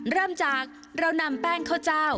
เริ่มจากเรานำแป้งข้าวเจ้า